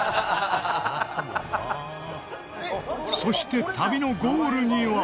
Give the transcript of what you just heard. そして旅のゴールには。